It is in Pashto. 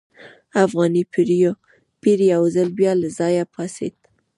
افغاني پیر یو ځل بیا له ځایه پاڅېد.